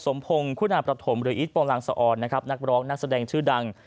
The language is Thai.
สมพงคุณาประถมหรืออีทปองรังสออนนักร้องนักแสดงชื่อดัง